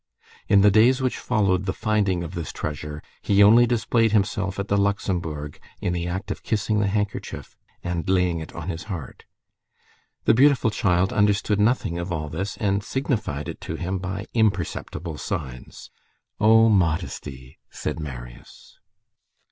In the days which followed the finding of this treasure, he only displayed himself at the Luxembourg in the act of kissing the handkerchief and laying it on his heart. The beautiful child understood nothing of all this, and signified it to him by imperceptible signs. "O modesty!" said Marius.